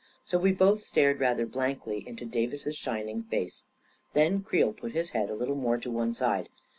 So we both stared rather blankly into Davis's shin ing face. Then Creel put his head a little more to one side.